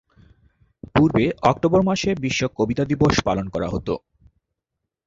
পূর্বে অক্টোবর মাসে বিশ্ব কবিতা দিবস পালন করা হত।